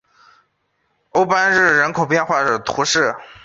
欧班日人口变化图示